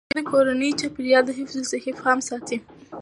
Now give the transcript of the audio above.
هغې د کورني چاپیریال د حفظ الصحې پام ساتي.